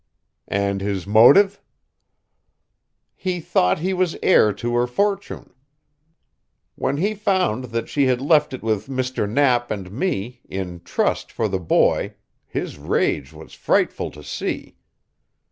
"And his motive?" "He thought he was heir to her fortune. When he found that she had left it with Mr. Knapp and me, in trust for the boy, his rage was frightful to see.